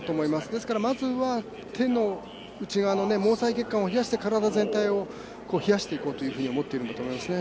ですから、まずは手の内側の毛細血管を冷やして体全体を冷やしていこうと思っているんだと思いますね。